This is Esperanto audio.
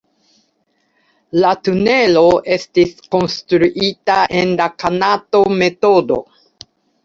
La tunelo estis konstruita en la Kanato-metodo.